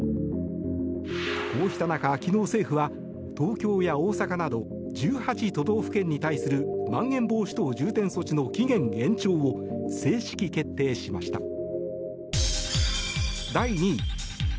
こうした中、昨日政府は東京や大阪など１８都道府県に対するまん延防止等重点措置の期限延長を正式決定しました。